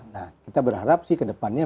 nah kita berharap sih ke depannya